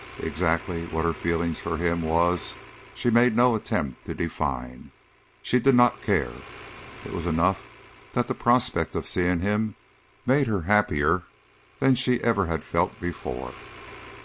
Exactly what her feeling for him was she made no attempt to define. She did not care. It was enough that the prospect of seeing him made her happier than she ever had felt before.